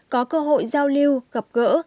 có cơ hội giao lưu gặp gỡ